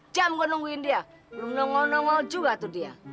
jam gue nungguin dia belum nongol normal juga tuh dia